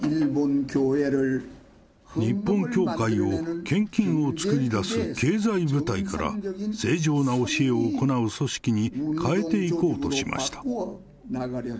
日本教会を献金を作りだす経済部隊から、正常な教えを行う組織に変えていこうとしました。